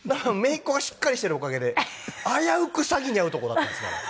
姪っ子がしっかりしているおかげで危うく詐欺に遭うとこだったんですから。